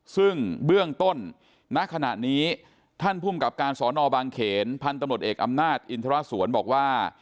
ซึ่งเบื้องต้นณขณะนี้ท่านภูมิกับการสอนอบางเขนพันธุ์ตำรวจเอกอำนาจอินทรสวนบอกว่า